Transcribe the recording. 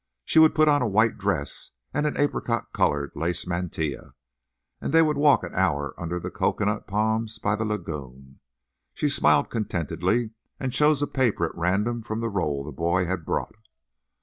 She would put on a white dress and an apricot coloured lace mantilla, and they would walk an hour under the cocoanut palms by the lagoon. She smiled contentedly, and chose a paper at random from the roll the boy had brought.